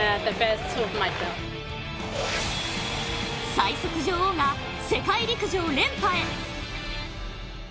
最速女王が世界陸上連覇へ。